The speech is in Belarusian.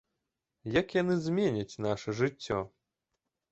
Як яны зменяць наша жыццё?